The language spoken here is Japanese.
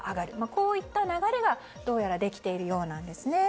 こういった流れがどうやらできているようなんですね。